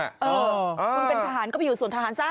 เออคุณเป็นทหารก็ไปอยู่ส่วนทหารซะ